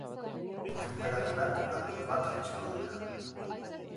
Tenperaturak apur bat jaitsiko dira.